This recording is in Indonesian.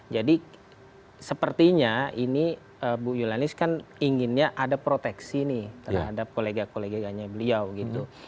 jadi sepertinya ini bu julianis kan inginnya ada proteksi nih terhadap kolega koleganya beliau gitu